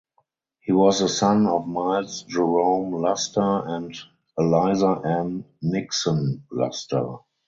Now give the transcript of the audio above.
He was the son of Miles Jerome Luster and Eliza Ann (Nixon) Luster.